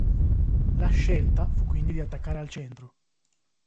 La scelta fu quindi di attaccare al centro.